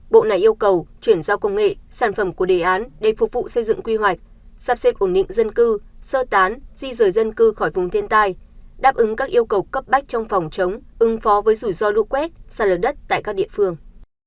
bộ này yêu cầu chuyển giao công nghệ sản phẩm của đề án để phục vụ xây dựng quy hoạch sắp xếp ổn định dân cư sơ tán di rời dân cư khỏi vùng thiên tai đáp ứng các yêu cầu cấp bách trong phòng chống ứng phó với rủi ro lũ quét sạt lở đất tại các địa phương